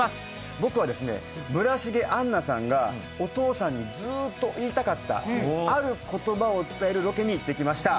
僕は村重杏奈さんがお父さんにずっと言いたかった、ある言葉を伝えるロケに行ってきました。